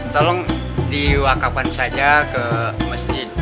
tolong diwakafkan saja ke masjid